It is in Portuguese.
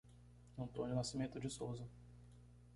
Antônio Nascimento de Souza